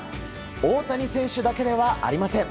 大谷選手だけではありません。